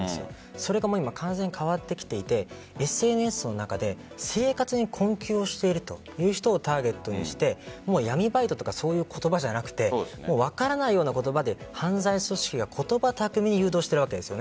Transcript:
それが完全に変わってきていてＳＮＳの中で生活に困窮をしているという人をターゲットにして闇バイトとかそういう言葉じゃなくて分からないような言葉で犯罪組織が言葉巧みに誘導しているわけです。